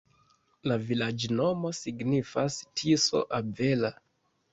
La vilaĝnomo signifas: Tiso-avela.